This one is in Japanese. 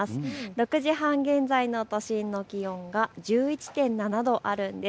６時半現在の都心の気温が１１．７度あるんです。